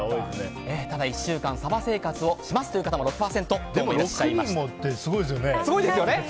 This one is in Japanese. ただ、１週間サバ缶生活をしますという方も６人もってすごいですよね。